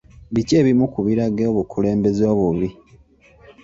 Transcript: Biki ebimu ku biraga obukulembeze obubi?